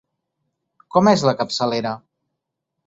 Com és la capçalera?